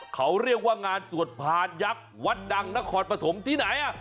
เขาเรียกว่างานสวดพานยักษ์วัดดังนครปฐมที่ไหน